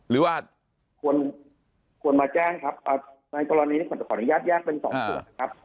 หรือว่าควรมาแจ้งครับในกรณีนี้ผมจะขออนุญาตแยกเป็นสองส่วนนะครับ